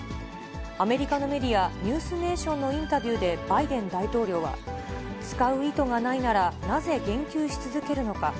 アメリカのメディア、ニュースネーションのインタビューで、バイデン大統領は、使う意図がないなら、なぜ言及し続けるのか。